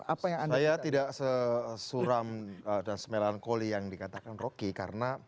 apa yang anda ya tidak sesuram dan melankoli yang dikatakan roky karena